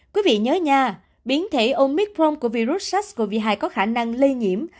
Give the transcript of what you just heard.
quý vị nhớ nha biến thể omitform của virus sars cov hai có khả năng lây nhiễm